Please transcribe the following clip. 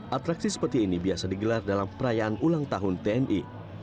atraksi seperti ini biasa digelar dalam perayaan ulang tahun tni